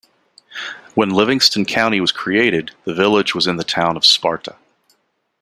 When Livingston County was created, the village was in the town of Sparta.